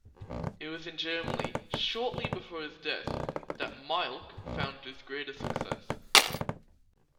It was in Germany, shortly before his death, that Mielck found his greatest success.